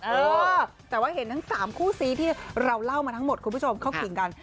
เออแต่ว่าเห็นทั้ง๓คู่ซีที่เราเล่ามาทั้งหมดคุณผู้ชมเข้าขิงกัน